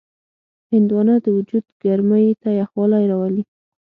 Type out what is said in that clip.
هندوانه د وجود ګرمۍ ته یخوالی راولي.